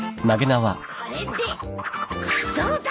これでどうだ！